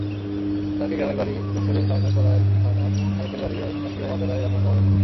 তাঁকে গ্রামের বাড়ি যশোরের বাঘারপাড়া থানার নাড়িকেলবাড়িয়ায় রাষ্ট্রীয় মর্যাদায় দাফন করা হয়েছে।